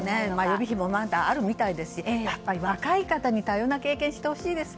予備費もまだあるみたいですしやっぱり若い方に多様な経験をしてほしいです。